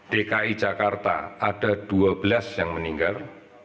dki jakarta ada dua belas yang meninggal